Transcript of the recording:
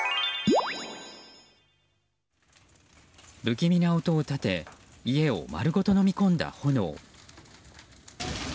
不気味な音を立て家を丸ごとのみ込んだ炎。